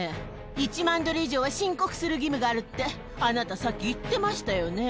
１万ドル以上は申告する義務があるって、あなた、さっき言ってましたよね？